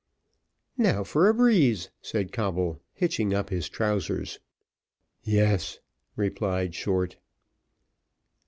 "Now for a breeze," said Coble, hitching up his trousers. "Yes," replied Short.